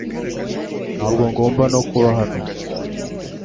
Ntabwo ngomba no kuba hano